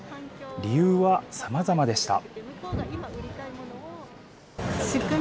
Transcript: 理由はさまざまでした。